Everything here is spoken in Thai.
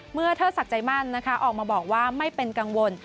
เทิดศักดิ์ใจมั่นนะคะออกมาบอกว่าไม่เป็นกังวล